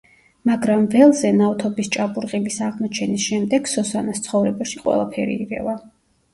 მაგრამ ველზე ნავთობის ჭაბურღილის აღმოჩენის შემდეგ სოსანას ცხოვრებაში ყველაფერი ირევა.